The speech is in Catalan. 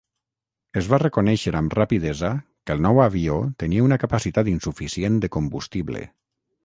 Es va reconèixer amb rapidesa que el nou avió tenia una capacitat insuficient de combustible.